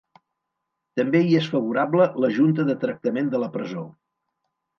També hi és favorable la junta de tractament de la presó.